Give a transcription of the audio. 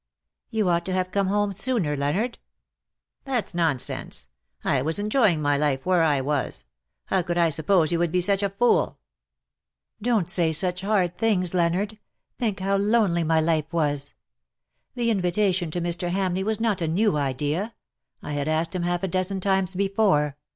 ^^" You ought to have come home sooner^ Leonard. ^^" That^'s nonsense. I was enjoying my life where I was. How could I suppose you would be such a fool ?'^'■'■ LOVE WILL HAVE HIS DAY." ?3 " Don^t say such hard things, Leonard. Think how lonely my life was. The invitation to Mr. Hamleigh was not a new idea ; I had asked hirii half a dozen times before.